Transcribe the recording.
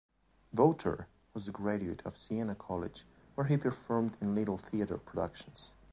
Vawter was a graduate of Siena College where he performed in Little Theater productions.